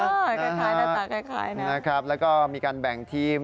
คล้ายหน้าตาคล้ายนะครับแล้วก็มีการแบ่งทีม